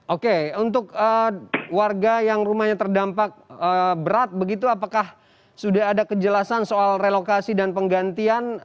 oke untuk warga yang rumahnya terdampak berat begitu apakah sudah ada kejelasan soal relokasi dan penggantian